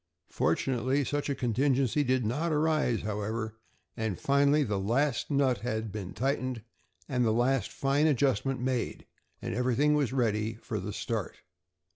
Fortunately, such a contingency did not arise, however, and finally the last nut had been tightened and the last fine adjustment made, and everything was ready for the start.